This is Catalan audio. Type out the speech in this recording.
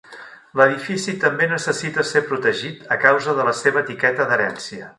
L'edifici també necessita ser protegit a causa de la seva etiqueta d'herència.